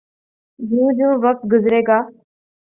جوں جوں وقت گزرے گا۔